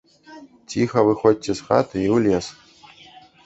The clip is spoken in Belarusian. Ціха выходзьце з хаты і ў лес.